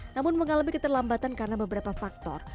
namun mengalami keterlambatan karena beberapa faktor